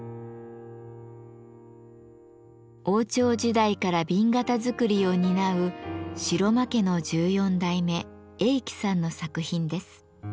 王朝時代から紅型づくりを担う城間家の１４代目栄喜さんの作品です。